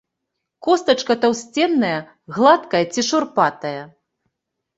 Костачка таўстасценная, гладкая ці шурпатая.